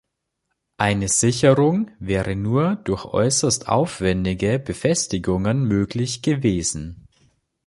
Eine Sicherung wäre nur durch äußerst aufwendige Befestigungen möglich gewesen.